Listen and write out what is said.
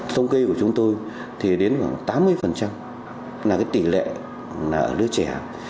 thông kê của chúng tôi thì đến khoảng tám mươi là cái tỷ lệ là ở đứa trẻ